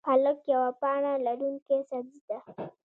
پالک یوه پاڼه لرونکی سبزی ده